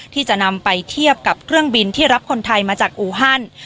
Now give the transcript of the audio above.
ที่จะนำไปเทียบกับเครื่องบินที่รับคนไทยมาจากอูฮัน